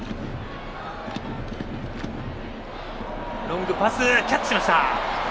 ロングパス、キャッチをした。